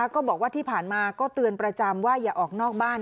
ก็บอกว่าที่ผ่านมาก็เตือนประจำว่าอย่าออกนอกบ้าน